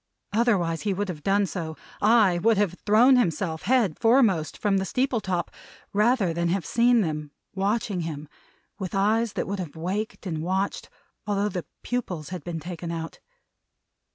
Otherwise he would have done so ay, would have thrown himself, head foremost, from the steeple top, rather than have seen them watching him with eyes that would have waked and watched, although the pupils had been taken out.